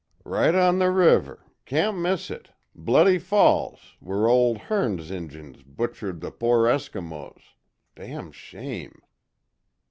Right on the river can't miss it Bloody Falls where Old Hearne's Injuns butchered the poor Eskimos damn shame!